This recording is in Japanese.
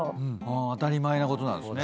当たり前のことなんですね。